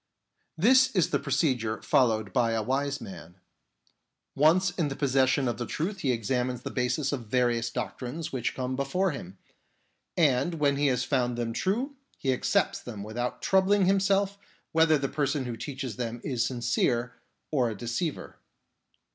This is the procedure fol lowed by a wise man. Once in possession of the truth he examines the basis of various doctrines which come before him, and when he has found them true, he accepts them without troubling himself whether the person who teaches them is sincere or a deceiver.